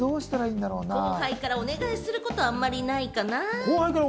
後輩からお願いすること、あまりないかな。